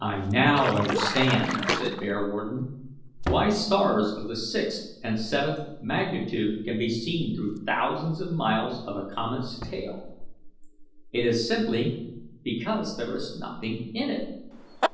"I now understand," said Bearwarden, "why stars of the sixth and seventh magnitude can be seen through thousands of miles of a comet's tail. It is simply because there is nothing in it.